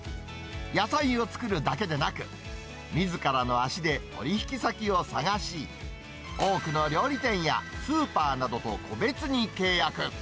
野菜を作るだけでなく、みずからの足で取り引き先を探し、多くの料理店やスーパーなどと個別に契約。